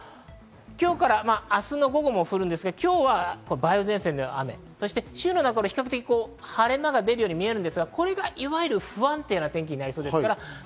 今日から明日の午後も降るんですが、今日は梅雨前線の雨、週の中頃、比較的晴れ間が出るように見えるんですが、これがいわゆる不安定な天気になりそうです。